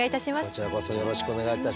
こちらこそよろしくお願いいたします。